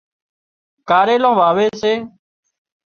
ڪاريلان واوي سي